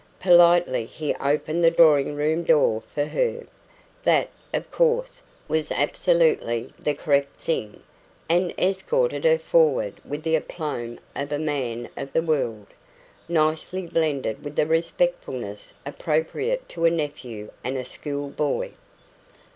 Politely he opened the drawing room door for her that, of course, was absolutely the correct thing and escorted her forward with the aplomb of a man of the world, nicely blended with the respectfulness appropriate to a nephew and a school boy.